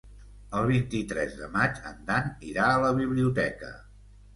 El vint-i-tres de maig en Dan irà a la biblioteca.